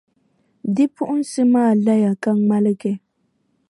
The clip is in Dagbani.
Bipuɣinsi maa laya ka ŋmaligi.